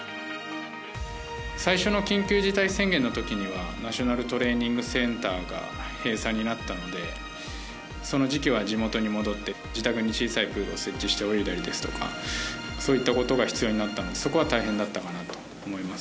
最初の緊急事態宣言のときにはナショナルトレーニングセンターが閉鎖になったのでその時期は地元に戻って自宅に小さいプールを設置して泳いだりですとかそういったことが必要になったのでそこは大変だったかなと思います。